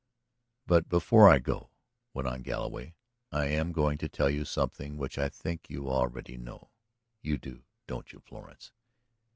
"But before I go," went on Galloway, "I am going to tell you something which I think you know already. You do, don't you, Florence?"